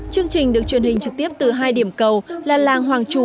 chương trình được truyền hình trực tiếp từ hai điểm cầu là làng hoàng trù